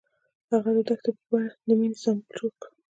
هغه د دښته په بڼه د مینې سمبول جوړ کړ.